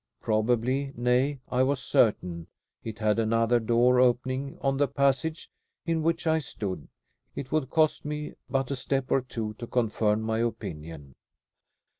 Probably, nay I was certain, it had another door opening on the passage in which I stood. It would cost me but a step or two to confirm my opinion.